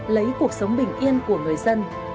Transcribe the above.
lấy cuộc sống bình yên của người dân